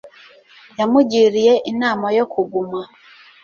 yamugiriye inama yo kuguma